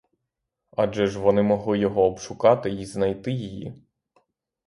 Адже ж вони могли його обшукати й знайти її.